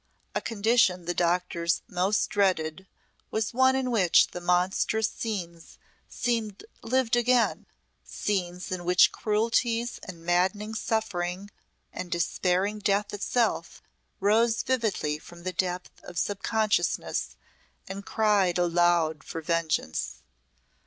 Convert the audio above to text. A condition the doctors most dreaded was one in which monstrous scenes seem lived again scenes in which cruelties and maddening suffering and despairing death itself rose vividly from the depth of subconsciousness and cried aloud for vengeance.